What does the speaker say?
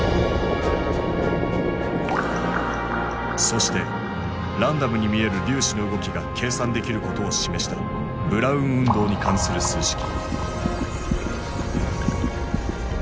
そしてランダムに見える粒子の動きが計算できることを示したブラウン運動に関する数式。